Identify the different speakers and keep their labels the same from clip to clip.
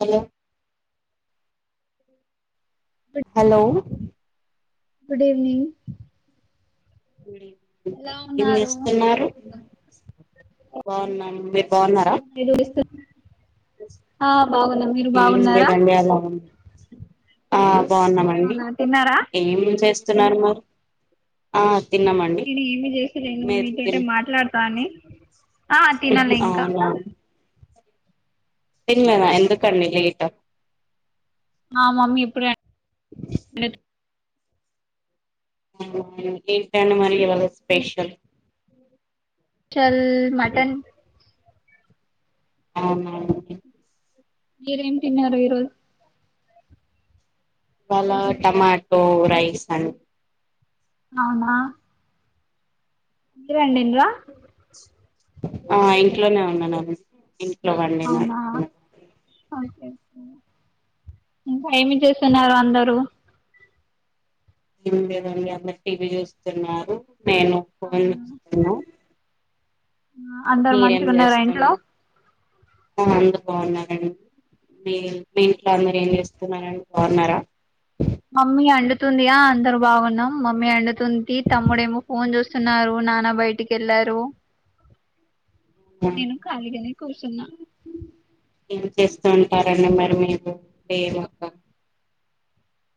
Speaker 1: Hello
Speaker 2: good
Speaker 1: hello
Speaker 2: good evening ఎలా
Speaker 1: ఏం
Speaker 2: ఉన్నారు
Speaker 1: చేస్తున్నారు బావున్నాను మీరు బాగున్నారా
Speaker 2: మీరు ఆ బాగున్నా మీరు
Speaker 1: ఎం లేద్
Speaker 2: బాగున్నారా
Speaker 1: అండి అలా ఉ ఆ బాగున్నామండి
Speaker 2: అవునా తిన్నారా
Speaker 1: ఏం చేస్ తున్నారు మురు
Speaker 2: నేను ఏమి చేసిలేను మీ తోటే
Speaker 1: తిన్
Speaker 2: మాట్లాడతా అని ఆ తినాలే ఇంకా
Speaker 1: తిన్నరా ఎందుకండి లేట్
Speaker 2: ఆ మమ్మీ ఎప్పుడే
Speaker 1: ఏంటండి మరి ఇవాళ స్పెషల్
Speaker 2: చల్ మటన్
Speaker 1: అవునాండి
Speaker 2: మీరేం తిన్నారు ఇరోజ్
Speaker 1: ఇవాళ టమాటో రైస్ అండి
Speaker 2: అవునా మీరండిన్డింలా
Speaker 1: ఆ ఇంట్లోనే ఉన్నాను అండి ఇంట్లో వండినా
Speaker 2: అవునా ఇంకా ఏమి చేస్తున్నారు అందరు
Speaker 1: ఎం లేదు అండి అందరు టీవీ చూస్తున్నారు నేను ఫోన్
Speaker 2: అవునా
Speaker 1: చుస్తున్నా
Speaker 2: ఆ, అందరు
Speaker 1: మీరేం
Speaker 2: మంచిగా ఉన్నారా ఇంట్లో
Speaker 1: చేస్తూన్నారు ఆ అందురు బాగున్నారండి మీ మీ ఇంట్లో అందరు ఏం చేస్తున్నారండి బావున్నారా
Speaker 2: మమ్మీ అండుతుంది ఆ అందరు బాగున్నాం మమ్మీ అండుతుంది తమ్ముడేమో ఫోన్ చూస్తున్నారు నాన్న బయటికి ఎల్లారు
Speaker 1: ఆ ఏం చేస్తూ ఉంటారండి మరి మీరు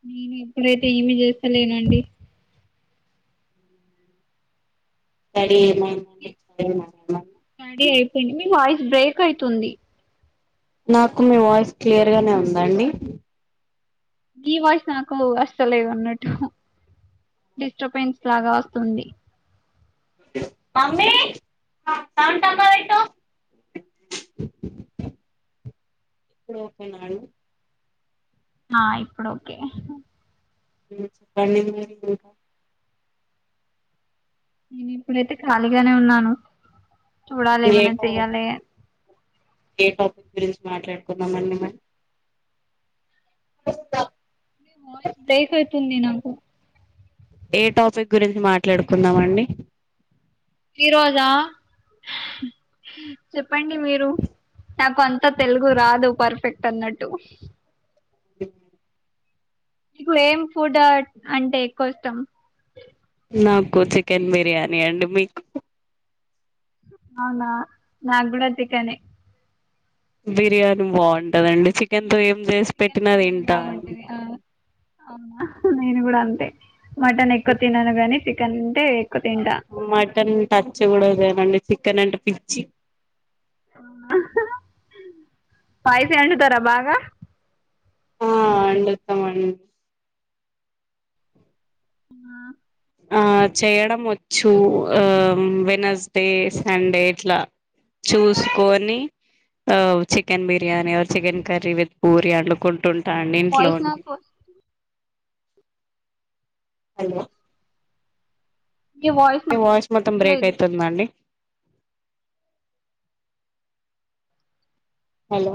Speaker 2: నేని ఇప్పుడైతే ఏమి చేస్తాలేనండి
Speaker 1: రడీ అయినా
Speaker 2: రడీ అయిపోయింద్ మీ వాయిస్ బ్రేక్ అయితుంది
Speaker 1: నాకు మీ వాయిస్ క్లియర్గానే ఉందండి
Speaker 2: గీ వాయిస్ నాకు అస్తలేదు అన్నట్ డిస్టర్బెన్స్ లాగా వస్తుంది
Speaker 1: మమ్మీ సౌన్ తక్కువ వెట్టు ఇప్పుడు ఓకేనా
Speaker 2: ఆ ఇప్పుడు ఓకే
Speaker 1: వెజ్ పన్నీర్ [unintelligible]
Speaker 2: నేను ఇప్పుడైతే ఖాళీగానే ఉన్నాను చూడాలి
Speaker 1: ఏ
Speaker 2: ఏమన్నా
Speaker 1: టా-
Speaker 2: చెయ్యాలి అని
Speaker 1: ఏ టాపిక్ గురించి మాట్లాడుకుందమండి మరి వస్తా
Speaker 2: కు
Speaker 1: ఏ టాపిక్ గురించి మాట్లాడుకుందామండి
Speaker 2: ఈ రోజా చెప్పండి మీరు నాకు అంతా తెలుగు రాదు పర్ఫెక్ట్ అన్నట్టు
Speaker 1: బ్లాంక్
Speaker 2: ఇప్పుడు ఏం ఫుడ అంటే ఎక్కువ ఇష్టం
Speaker 1: నాకు చికెన్ బిర్యానీ అండి మీకు
Speaker 2: అవునా నాది కుడా చికనే
Speaker 1: బిర్యానీ బాగుంటదండి చికెన్తో ఏం చేసి
Speaker 2: చికెన్
Speaker 1: పెట్టినా
Speaker 2: బిర్యానీ
Speaker 1: తింటా అండి
Speaker 2: బాగుంటది అవును ఆ అవునా నేను కూడ అంతే మటన్ ఎక్కువ తినను గాని చికెన్ అంటే ఎక్కువ తింటా
Speaker 1: మటన్ టచ్ కూడా చేయమండి చికెన్ అంటె పిచ్చి
Speaker 2: స్పైసి వండుతరా బాగా
Speaker 1: ఆ వండుతమండి
Speaker 2: ఆ
Speaker 1: ఆ చేయడం వచ్చు ఆ వెనస్డే సండే ఇట్లా చూసుకొని ఓ chicken biryani chicken curry with puri అండుకు టుంటా అండి ఇంట్లో
Speaker 2: వాయిస్
Speaker 1: ఉండి
Speaker 2: నాకు
Speaker 1: హలో మీ వాయిస్ మొత్తం బ్రేక్
Speaker 2: నచ్చలేదు
Speaker 1: అయితుందండి హలో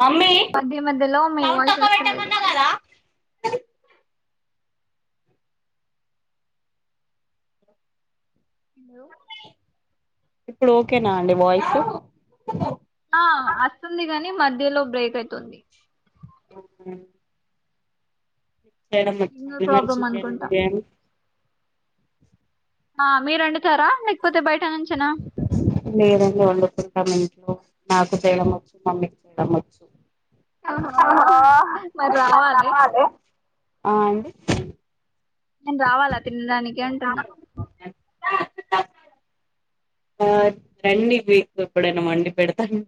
Speaker 1: మమ్మీ
Speaker 2: మధ్య మధ్యలో మీ
Speaker 1: సౌండ్
Speaker 2: వాయిస్
Speaker 1: తక్కువ
Speaker 2: వస్తలేదు
Speaker 1: పెట్టమన్న కదా
Speaker 2: హలో
Speaker 1: ఇప్పుడు ఓకేనా అండి వాయిస్
Speaker 2: ఆ అస్తుంది గని మధ్యలో బ్రేక్ అయితుంది
Speaker 1: ఓకే ఎడమ్మో
Speaker 2: సిగ్నల్
Speaker 1: డిన్నర్
Speaker 2: ప్రాబ్లమ్
Speaker 1: చికెన్
Speaker 2: అనుకుంటా
Speaker 1: బిర్యానీ
Speaker 2: ఆ మీరు వండుతరా
Speaker 1: లేదండి వండుకొం అంట్లో నాకు చేయడం వచ్చు మమ్మీకి వండడం వచ్చు
Speaker 2: ఓహో మరి
Speaker 1: అహ
Speaker 2: రావాలి
Speaker 1: కావాలె ఆ అండి
Speaker 2: నేను రావాలా తినడానికి అంటున్నా బ్లాంక్
Speaker 1: ఆ రండి పి ఎప్పుడైనా వండి పెడతాను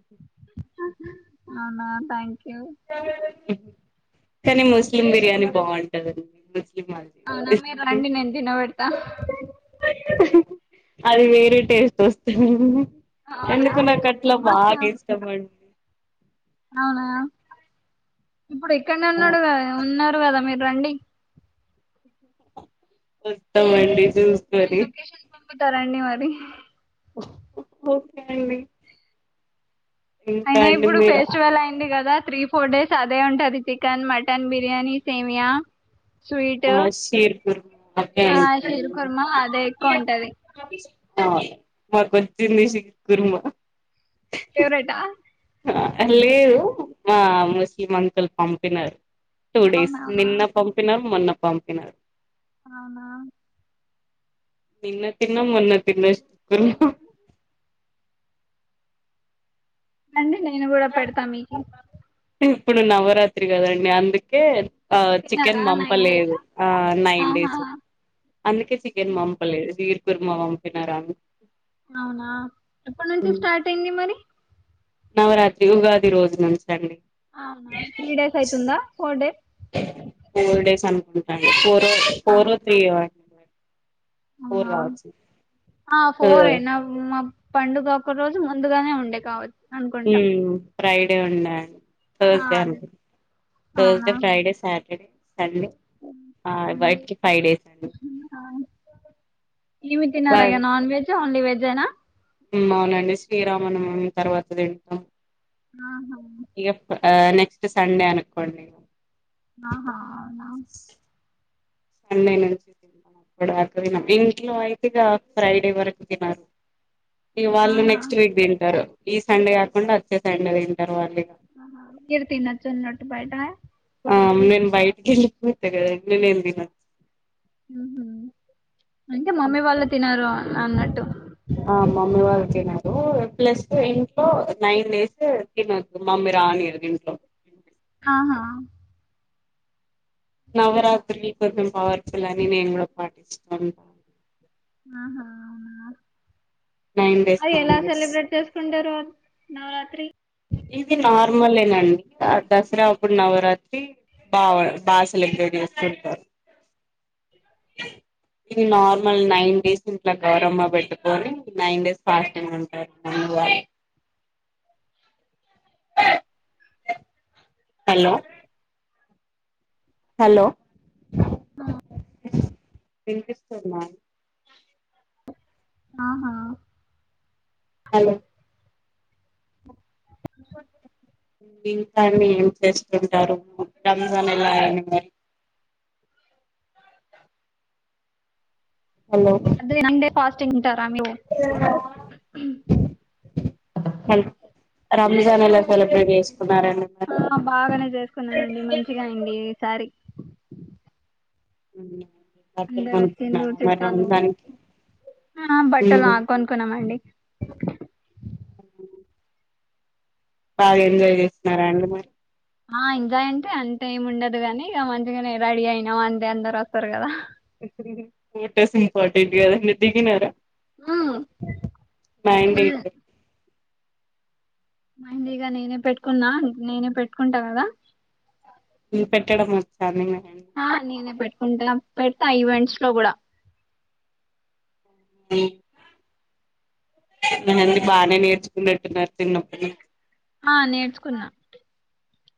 Speaker 2: అవునా థ్యాంక్ యూ
Speaker 1: కని ముస్లిం బిర్యానీ బాగుంటదండి
Speaker 2: అవునా మీరు
Speaker 1: వాళ్ళది
Speaker 2: రండి నేను దిన వెడతా
Speaker 1: అది వేరే టేస్టు వస్తది
Speaker 2: అవునా
Speaker 1: ఎందుకొ నాకు అట్ల
Speaker 2: ఎప్పుడు
Speaker 1: బాగా
Speaker 2: ఫ-
Speaker 1: ఇష్టం అండి
Speaker 2: అవునా ఇప్పుడు ఇక్కడనే ఉన్నడు కద ఉన్నరు కదా మీరు రండి
Speaker 1: వస్తామండి చూసుకొని
Speaker 2: త రండి మరి
Speaker 1: ఓకే అండి ఇంకా
Speaker 2: అయినా
Speaker 1: అండి
Speaker 2: ఇప్పుడు
Speaker 1: మీరు
Speaker 2: ఫెస్టివల్ అయింది కదా త్రీ ఫోర్ డేస్ అదే ఉంటది చికెన్, మటన్, బిర్యానీ, సేమియా స్వీటు
Speaker 1: ఆ షీర్ కుర్మా ఓకే
Speaker 2: ఆ
Speaker 1: అండి
Speaker 2: షీర్ ఖుర్మా అదే ఎక్కువ ఉంటది
Speaker 1: ఆ మాది పొద్దు షీర్ ఖుర్మా
Speaker 2: ఫేవరెటా
Speaker 1: ఆ లేదు మ ముస్లిం అంకుల్ పంపినారు టు డేస్
Speaker 2: అవునవునా అవునా
Speaker 1: నిన్న పంపినరు మొన్న పంపినరు
Speaker 2: అవునా
Speaker 1: నిన్న తిన్న మొన్న తిన్న చికెన్
Speaker 2: అండి నేను కూడా పెడతా మీకి
Speaker 1: ఇప్పుడు నవరాత్రి కాదండి అందుకె ఆ చికెన్
Speaker 2: తిన్నారా నైన్ డేస్
Speaker 1: వంపలేదు ఆ నైన్
Speaker 2: ఆహా
Speaker 1: డేస్ అందుకే చికెన్ పంపలేదు షీర్ ఖుర్మా పంపినారు
Speaker 2: అవునా ఎప్పుటి నుంచి స్టార్ట్ అయింది మరి
Speaker 1: నవరాత్రి ఉగాది రోజు నుంచి అండి
Speaker 2: అవునా త్రీ డేస్ అయితుందా ఫోర్ డేస్
Speaker 1: ఫోర్ డేస్ అనుకుంటండీ ఫోరొ
Speaker 2: అవు
Speaker 1: ఫోర్ త్రీ అండి ఫోర్
Speaker 2: అవునా
Speaker 1: కావచ్చు
Speaker 2: ఆ ఫోరే నవ్ మ పండుగ ఒక రోజు ముందుగానే ఉండే కావచ్చు అనుకుంటా
Speaker 1: హ్మ్ ఫ్రైడే ఉండ
Speaker 2: ఆ
Speaker 1: తార్స్డే అను
Speaker 2: అదే అవునా
Speaker 1: తార్స్డే, ఫ్రైడే, సాటర్డే సాటర్డే ఆ
Speaker 2: అండి
Speaker 1: ఫైవ్ డేస్ అండి
Speaker 2: ఆ ఏమి తిన్నారా ఇగ నాన్వెజు ఓన్లీ వెజ్ఏన
Speaker 1: హ్మ్ అవునండి శ్రీరామనవమి తర్వాత తింటాం
Speaker 2: ఆహా
Speaker 1: ఇక ఆ నెక్స్ట్ సండే అనుకొండి
Speaker 2: ఆహా అవునా
Speaker 1: సండే నుంచి అక్కడ అక ఇంట్లో అయితే ఇగ ఫ్రైడే వరకు తినరు ఇగ వాళ్లు
Speaker 2: ఆహా
Speaker 1: నెక్స్ట్ వీక్ తింటరు ఈ సండే కాకుండా ఒచ్చే సండే తింటారు వాళ్ళ
Speaker 2: మీర్ తినచ్చు నట ఉన్నటు బయట
Speaker 1: ఆ నేను బైటికి వెళిపోతా కదా నేను ఏం తిన అండ్ నాకు
Speaker 2: హ్మహమ్ అంటే మమ్మీ వాళ్ళు తినరు అన్నట్టు
Speaker 1: ఆ మమ్మీ వాళ్ళు తినరు ప్లస్ ఇంట్లో నైన్ డేస్ తినదు మమ్మీ రానీయదే [unintelligible]
Speaker 2: ఆహా
Speaker 1: నవరాత్రి కొంచెం పవర్ఫుల్ అని నేను కూడా పాటిస్తాను నైన్ డేస్
Speaker 2: అది
Speaker 1: నాన్
Speaker 2: ఎలా
Speaker 1: వెజ్
Speaker 2: సెలబ్రేట్ చేసుకుంటారు అది నవరాత్రి
Speaker 1: ఇది నార్మలేనండి ఆ దసరా అప్పుడు నవరాత్రి బావ్ బా సెలబ్రేట్ చేసుంటారు
Speaker 2: [inaudible]
Speaker 1: ఇది నార్మల్ నైన్ డేస్ ఇంట్లో గౌరమ్మా పెట్టుకొని నైన్ డేస్ ఫాస్టింగ్ ఉంటారు [unintelligible] హలో హలో
Speaker 2: ఆ
Speaker 1: వినిపిస్తుందాండి
Speaker 2: ఆహా
Speaker 1: హలో
Speaker 2: [inaudible]
Speaker 1: ఇంకాండి ఎం చేస్తూ ఉంటారు రంజాన్ ఎలా అయింది మరి హలో
Speaker 2: అదే నైన్ ఫాస్టింగ్ంటారా మీరు
Speaker 1: రంజాన్ ఎలా సెలబ్రేట్ చేస్
Speaker 2: ఆ బాగనే చేసుకున్నామండి మంచిగ అయింది ఈ సారి
Speaker 1: బట్టలు
Speaker 2: అందరు
Speaker 1: కొన్నుకున్నారా
Speaker 2: వచ్చిండ్రు
Speaker 1: మరి
Speaker 2: చుట్టాలు
Speaker 1: రంజాన్ కీ
Speaker 2: ఆ బట్టలు ఆ కొనుకున్నమండి
Speaker 1: బాగా ఎంజాయ్ చేస్తున్నర అండి మీరు
Speaker 2: ఆ ఎంజాయ్ అంటే అంత ఎం ఉండదుగాని ఇగ మంచిగనే రెడీ అయినాం అంతే అందరు వస్తరు గదా
Speaker 1: ఫోటోస్ ఇంపార్టెంట్ కద మీరు దిగినరా
Speaker 2: హ్మ్ ఫుల్
Speaker 1: మ్యాండేట్
Speaker 2: మెహందిగ నేనే పెట్టుకున్నా నేనే పెట్టుకుంట కదా
Speaker 1: మ్ పెట్టడం వచ్చా అండి మిక్
Speaker 2: ఆ నేనే పెట్టుకుంట పెడతా ఈవెంట్స్లో కూడ
Speaker 1: మ్ మీరన్నీ బానే నేర్చుకున్నట్టున్నరు చిన్నప్పటి నుంచి
Speaker 2: ఆ నేర్చుకున్నా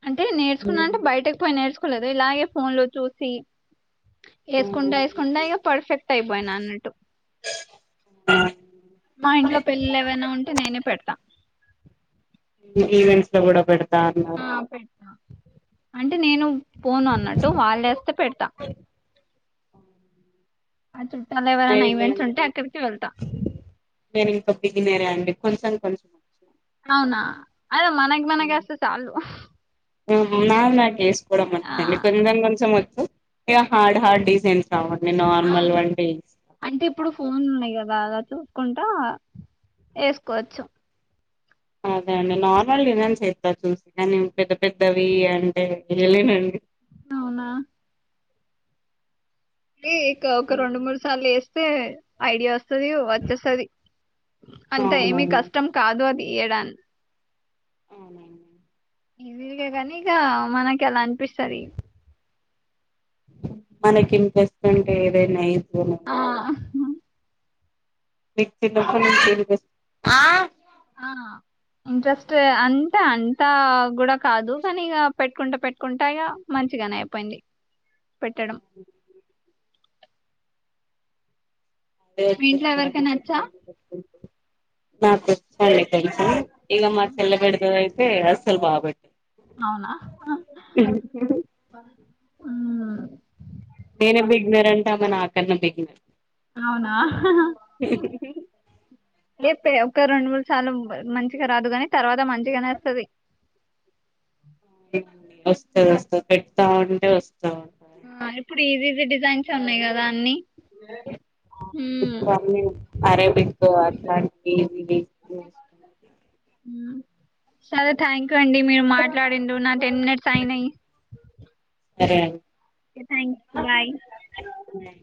Speaker 2: అంటే నేర్చుకున్న అంటే బయటకు పోయి నేర్చుకోలేదు ఇలాగే ఫోన్లో చూసి ఏసుకుంటా ఏసుకుండా ఇగ పర్ఫెక్ట్ అయిపోయిన అన్నట్టు
Speaker 1: ఆ
Speaker 2: మా ఇంట్లో పెళ్ళిలు ఏవైనా ఉంటే నేనే పెడుతా
Speaker 1: ఈవెంట్స్లో కూడ పెడ్
Speaker 2: ఆ పెడ్తా అంటే నేను పోను అన్నట్టు వాళ్లే వస్తే పెడుతా అచ్
Speaker 1: నేను నేను ఇంక బిగినరా అండి కొంచం కొంచం
Speaker 2: అవునా అదే మనగ్ మనగోస్తే చాలు
Speaker 1: మ్ నాకు నాకు వేసుకోవడం
Speaker 2: ఆ
Speaker 1: వచ్చండి కొంచం కొంచెం వచ్చు ఇగ హార్డ్ హార్డ్ డిజైన్స్ రావండి
Speaker 2: ఆ
Speaker 1: నార్మల్ వంటి
Speaker 2: అంటే ఇప్పుడు ఫోన్లు ఉన్నయి కదా చూసుకుంటా ఏసుకోవచ్చు
Speaker 1: అదే అండి నార్మల్ డిజైన్స్ వేస్త చూసి కానీ పెద్ద పెద్దవి అంటే వేయలేనండి
Speaker 2: అవునా కి ఇక్ ఒక రెండు మూడు సార్లు వేస్తే ఐడియా ఒస్ స్తది వచ్చేస్తది అంత ఏమి
Speaker 1: అవునవును
Speaker 2: కష్టం కాదు అది ఇయ్యడాన్
Speaker 1: అవునా
Speaker 2: ఇసిదే గని ఇగా మనకి అలా అనిపిస్తది
Speaker 1: మనకి ఇంవెస్ట్మెంట్ ఏదైనా ఏం
Speaker 2: ఆ
Speaker 1: మీక్ చిన్నపట్ నుంచి తెలుగోస్
Speaker 2: ఆ ఇంట్రెస్ట్ అంత అంతా కూడా కాదు కానిగ పెట్టుకుంట పెట్టుకుంట ఇగా మంచిగనే అయిపోయింది పెట్టడం
Speaker 1: అదే
Speaker 2: మీ ఇంట్లో ఎవరికైనా వచ్చా?
Speaker 1: వచ్చేస్తాదంపెట్టుకుంటూ పెట్టుకుంటూ నాకు వచండి తెలుసు ఇగ మా చెళ్ళే బెడుతదైతే అస్సలు బాగ పెట్టద్
Speaker 2: అవునా హ్మ్.
Speaker 1: నేనే బిగినరంటే ఆమె నాకన్న బిగినర్
Speaker 2: అవునా లేప్తే ఒక రెండు మూడు సార్లు ప్ మంచిగ రాదు గని తర్వాత మంచిగనే వస్తది బ్లాంక్
Speaker 1: వస్తదోస్తది పెడతాఉంటే వస్
Speaker 2: ఆ ఇప్పుడు ఈసి ఈసి డిజైన్స్యే ఉన్నయ్ కదా అన్నిీ
Speaker 1: దానివి అరేబిక్ అట్లాంటివి
Speaker 2: సరే థ్యాంక్ యూ అండి మీరు మాట్లాడింరు నా టెన్ మినిట్స్ అయినయి
Speaker 1: సరే అండి
Speaker 2: ఓకే థ్యాంక్స్. బాయ్.
Speaker 1: కోన్